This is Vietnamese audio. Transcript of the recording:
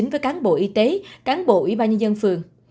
với cán bộ y tế cán bộ y bà nhân dân phường